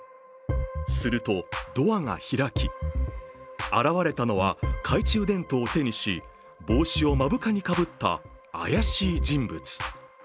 するとドアが開き、現れたのは懐中電灯を手にし、帽子を目深にかぶった怪しい人物。